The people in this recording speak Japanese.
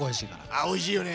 あおいしいよね。